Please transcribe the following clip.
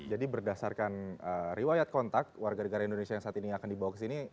jadi berdasarkan rewet kontak warga warga indonesia yang saat ini akan dibawa ke sini